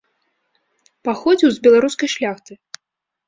Паходзіў з беларускай шляхты.